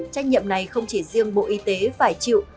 trách nhiệm này không chỉ riêng bộ y tế phải chịu